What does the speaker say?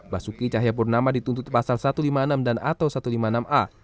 basuki cahayapurnama dituntut pasal satu ratus lima puluh enam dan atau satu ratus lima puluh enam a